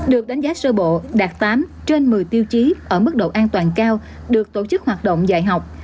được đánh giá sơ bộ đạt tám trên một mươi tiêu chí ở mức độ an toàn cao được tổ chức hoạt động dạy học